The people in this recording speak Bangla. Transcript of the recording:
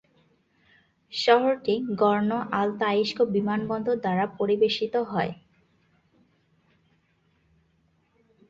শহরটি গর্নো-আলতাইস্ক বিমানবন্দর দ্বারা পরিবেশিত হয়।